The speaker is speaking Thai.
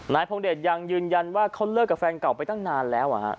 พงเดชยังยืนยันว่าเขาเลิกกับแฟนเก่าไปตั้งนานแล้ว